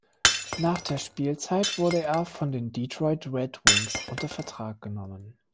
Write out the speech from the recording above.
Nach der Spielzeit wurde er von den Detroit Red Wings unter Vertrag genommen.